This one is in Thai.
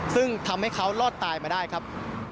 ซึ่งทำให้เขารอดตายมาได้ครับ